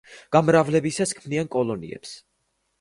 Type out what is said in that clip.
გამრავლებისას ქმნიან კოლონიებს.